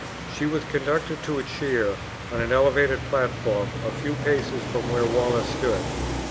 She was conducted to a chair on an elevated platform a few paces from where Wallace stood.